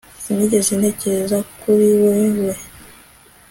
sinigeze ntekereza kuri wewe